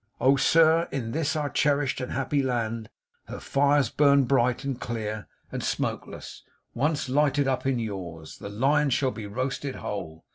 Oh, sir, in this our cherished and our happy land, her fires burn bright and clear and smokeless; once lighted up in yours, the lion shall be roasted whole.